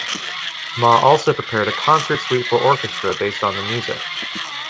Maw also prepared a concert suite for orchestra based on the music.